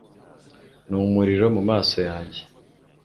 Ni umuriro mu maso yanjye